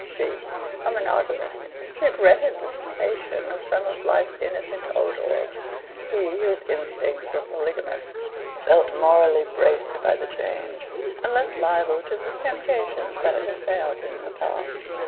She, a monogamist, regretted the cessation of some of life's innocent odours; he, whose instincts were polygamous, felt morally braced by the change, and less liable to the temptations that had assailed him in the past.